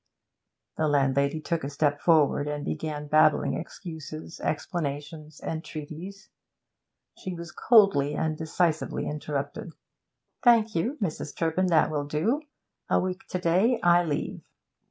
The landlady took a step forward, and began babbling excuses, explanations, entreaties. She was coldly and decisively interrupted. 'Thank you, Mrs. Turpin, that will do. A week to day I leave.'